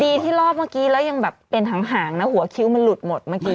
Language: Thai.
ดีที่รอบเมื่อกี้แล้วยังแบบเป็นหางนะหัวคิ้วมันหลุดหมดเมื่อกี้